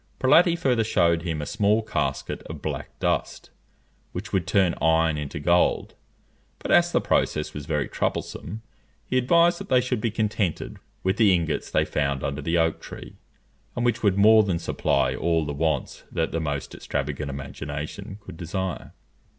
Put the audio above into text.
Prelati further shewed him a small casket of black dust, which would turn iron into gold; but as the process was very troublesome, he advised that they should be contented with the ingots they found under the oak tree, and which would more than supply all the wants that the most extravagant imagination could desire.